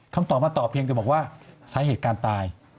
คำตอบมาตอบเพียงแต่บอกว่าสาเหตุการตาย